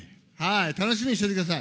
楽しみにしててください。